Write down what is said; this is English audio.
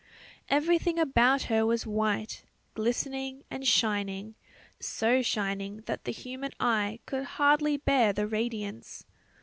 Everything about her was white, glistening and shining; so shining that the human eye could hardly bear the radiance.